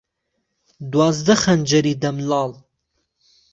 دوازده خهنجەری دەم لاڵ